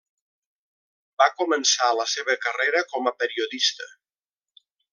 Va començar la seva carrera com a periodista.